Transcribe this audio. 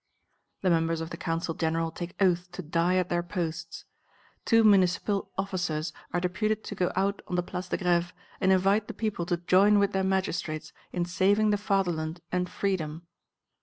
The members of the Council General take oath to die at their posts. Two municipal officers are deputed to go out on the Place de Grève and invite the people to join with their magistrates in saving the fatherland and freedom.